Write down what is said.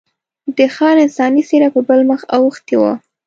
د ښار انساني څېره په بل مخ اوښتې وه.